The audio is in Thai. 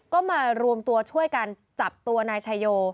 ก็มารวมตัวช่วยกันจับตัวนายชายโย